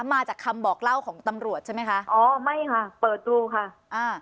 มาจากคำบอกเล่าของตำรวจใช่ไหมคะอ๋อไม่ค่ะเปิดดูค่ะอ่า